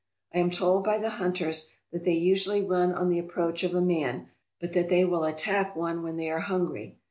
I am told by the hunters that they usually run on the approach of a man, but that they will attack one when they are hungry.